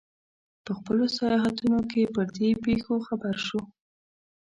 په خپلو سیاحتونو کې پر دې پېښو خبر شو.